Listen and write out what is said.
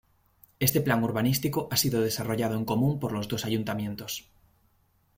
Este plan urbanístico ha sido desarrollado en común por los dos ayuntamientos.